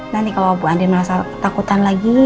nanti kalau bu andri merasa ketakutan lagi